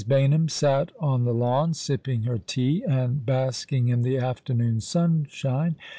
Baynham sat on the lawn, sipping her tea, and bask ing in the afternoon sunshine.